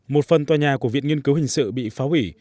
một phần tòa nhà của viện nghiên cứu hình sự bị phá hủy